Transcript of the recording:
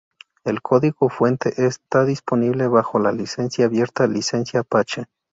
El código fuente está disponible bajo la licencia abierta licencia Apache.